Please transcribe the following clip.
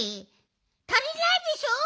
たりないでしょ？